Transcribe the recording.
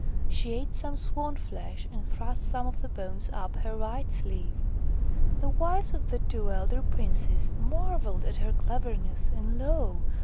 She ate some swan flesh and thrust some of the bones up her right sleeve. The wives of the two elder princes mar velled at her cleverness, and lo